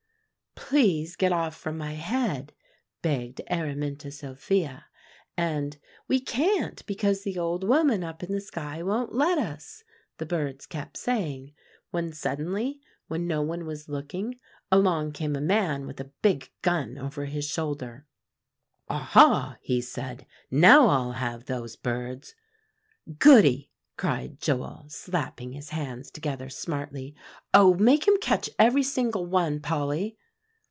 "'Please get off from my head,' begged Araminta Sophia, and 'We can't, because the old woman up in the sky won't let us,' the birds kept saying; when suddenly, when no one was looking, along came a man with a big gun over his shoulder. 'Ah, ha!' he said, 'now I'll have those birds.'" "Goody!" cried Joel, slapping his hands together smartly. "Oh! make him catch every single one, Polly."